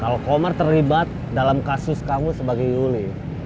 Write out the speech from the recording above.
kalau komar terlibat dalam kasus kamu sebagai yuli